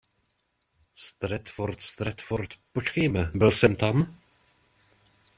Stratford, Stratford, počkejme, byl jsem tam?